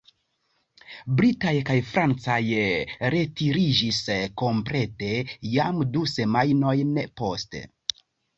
Britaj kaj francaj retiriĝis komplete jam du semajnojn poste.